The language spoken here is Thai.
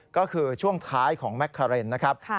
ก็คือช่วงท้ายของแมคคาเรนนะครับ